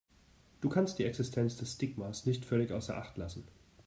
Du kannst die Existenz des Stigmas nicht völlig außer Acht lassen.